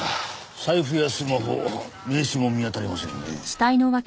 財布やスマホ名刺も見当たりませんねえ。